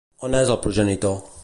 On és el progenitor?